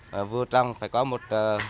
và vô trong phải có một